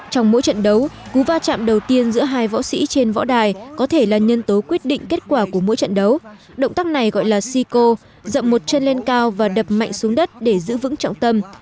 trong mỗi trận đấu cú va chạm đầu tiên giữa hai võ sĩ trên võ đài có thể là nhân tố quyết định kết quả của mỗi trận đấu động tác này gọi là sico dậm một chân lên cao và đập mạnh xuống đất để giữ vững trọng tâm